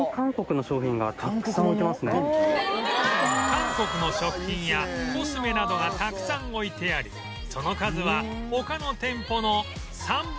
韓国の食品やコスメなどがたくさん置いてありその数は他の店舗の３倍以上！